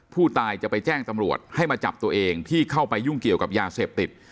ผู้ตายจะไปแจ้งตำรวจให้มาจับตัวเองที่เข้าไปยุ่งเกี่ยวกับยาเสพติด